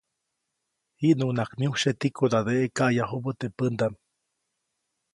Jiʼnuŋnaʼak myujsye tikodadeʼe kayajubä teʼ pändaʼm.